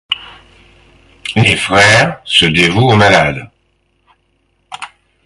Les frères se dévouent aux malades.